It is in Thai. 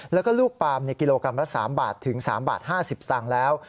แล้วก็ลูกปลามกิโลกรัมละ๓บาทถึง๓๕๐บาทแล้ว